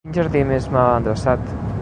Quin jardí més mal endreçat.